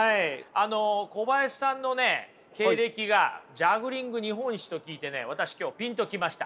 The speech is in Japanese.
あの小林さんのね経歴がジャグリング日本一と聞いてね私今日ピンと来ました。